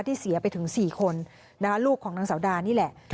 ที่เสียไปถึง๔คนลูกของนางสาวดานี่แหละ